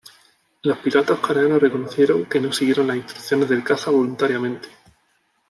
Los pilotos coreanos reconocieron que no siguieron las instrucciones del caza voluntariamente.